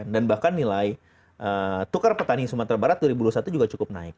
dan bahkan nilai tukar petani sumatera barat dua ribu dua puluh satu juga cukup naik